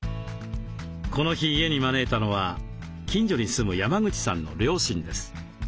この日家に招いたのは近所に住む山口さんの両親です。